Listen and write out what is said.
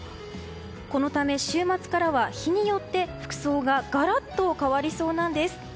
このため、週末からは日によって服装がガラッと変わりそうなんです。